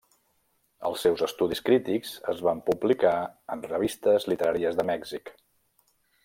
Els seus estudis crítics es van publicar en revistes literàries de Mèxic.